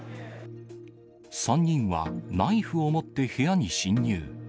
３人はナイフを持って部屋に侵入。